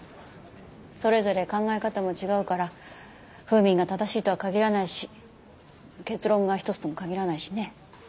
それぞれ考え方も違うからフーミンが正しいとは限らないし結論が一つとも限らないしね。